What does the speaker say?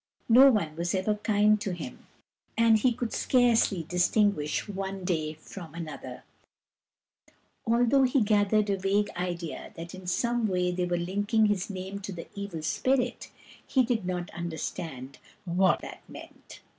No one was ever kind to him, and he could scarcely distinguish one day from another ; although he gathered a vague idea that in some way they were linking his name with the Evil Spirit, he did not understand what that meant.